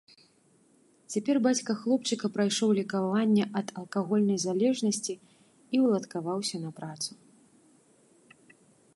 Цяпер бацька хлопчыка прайшоў лекаванне ад алкагольнай залежнасці і ўладкаваўся на працу.